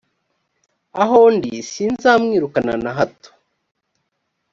aho ndi sinzamwirukana na hato